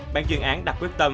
bản chuyên án đặt quyết tâm